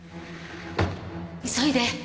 急いで！